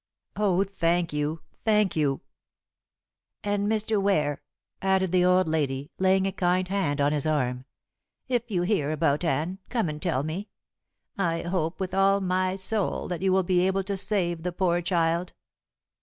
"Oh, thank you! Thank you!" "And, Mr. Ware," added the old lady, laying a kind hand on his arm, "if you hear about Anne, come and tell me. I hope with all my soul that you will be able to save the poor child."